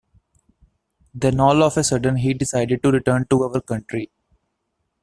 Then all of a sudden he decided to return to our country.